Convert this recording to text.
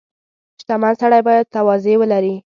• شتمن سړی باید تواضع ولري.